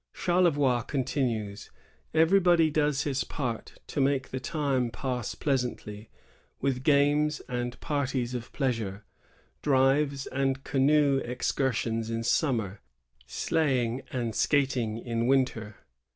Charlevoix continues: "Everybody does his part to make the time pass pleasantly, with games and parties of pleasure, — drives and canoe excursions in summer, sleighing and skating in winter.